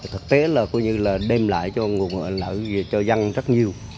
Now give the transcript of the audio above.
thực tế là đem lại cho nguồn lực cho dân rất nhiều